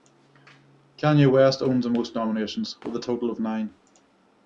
Kanye West owns the most nominations, with a total of nine.